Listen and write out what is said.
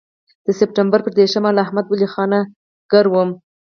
د سپټمبر پر دېرشمه له احمد ولي خان کره وم.